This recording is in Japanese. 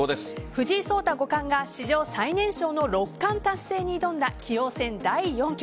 藤井聡太五冠が史上最年少の六冠達成に挑んだ棋王戦第４局。